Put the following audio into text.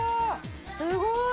すごい！